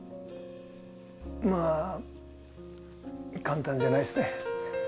まあ簡単じゃないですね。